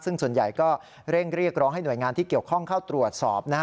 ซึ่งส่วนใหญ่ก็เร่งเรียกร้องให้หน่วยงานที่เกี่ยวข้องเข้าตรวจสอบ